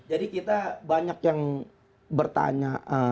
jadi kita banyak yang bertanya